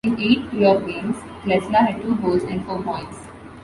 In eight playoff games, Klesla had two goals and four points.